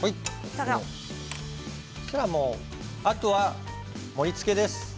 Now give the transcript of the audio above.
あとは盛りつけです。